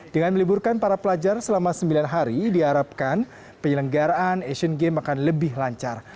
dengan meliburkan para pelajar selama sembilan hari diharapkan penyelenggaraan asian games akan lebih lancar